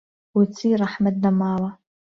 بۆچی ڕەحمت نەماوە